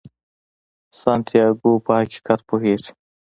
سانتیاګو په حقیقت پوهیږي.